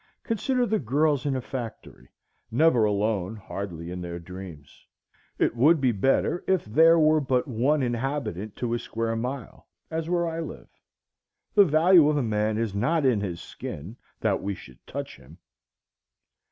Consider the girls in a factory,—never alone, hardly in their dreams. It would be better if there were but one inhabitant to a square mile, as where I live. The value of a man is not in his skin, that we should touch him.